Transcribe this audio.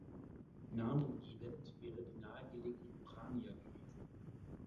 Namengebend wäre die nahe gelegene Urania gewesen.